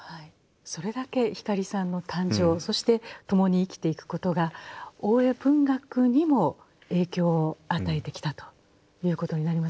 それだけ光さんの誕生そして共に生きていくことが大江文学にも影響を与えてきたということになりますね。